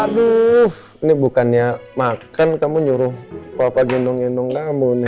aduh ini bukannya makan kamu nyuruh bapak gendong gendong kamu nih